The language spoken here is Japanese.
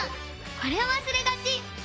これをわすれがち！